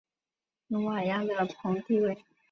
努瓦亚勒蓬提维。